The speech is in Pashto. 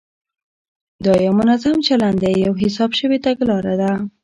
دا یو منظم چلند دی، یوه حساب شوې تګلاره ده،